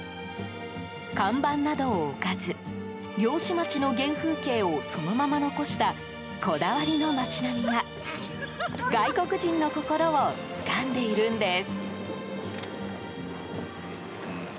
看板などを置かず漁師町の原風景をそのまま残したこだわりの町並みが外国人の心をつかんでいるんです。